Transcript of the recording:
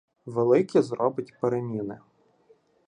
Великі зробить переміни